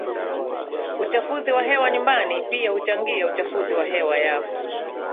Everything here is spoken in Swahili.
Uchafuzi wa hewa nyumbani pia huchangia uchafuzi wa hewa ya